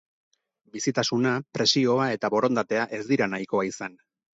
Bizitasuna, presioa eta borondatea ez dira nahikoa izan.